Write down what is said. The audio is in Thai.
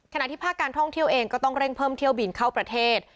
ที่ภาคการท่องเที่ยวเองก็ต้องเร่งเพิ่มเที่ยวบินเข้าประเทศ